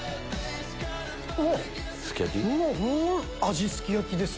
味すき焼きです